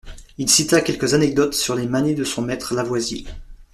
Il cita quelques anecdotes sur les manies de son maître Lavoisier.